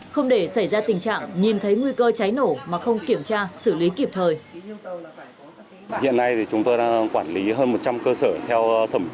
không để xảy ra tình trạng nhìn thấy nguy cơ cháy nổ mà không kiểm tra xử lý kịp thời